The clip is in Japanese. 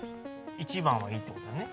１番は「い」ってことやね